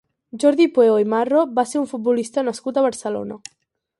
Jordi Pueo i Marro va ser un futbolista nascut a Barcelona.